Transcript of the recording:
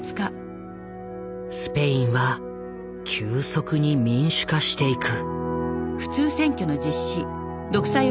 スペインは急速に民主化していく。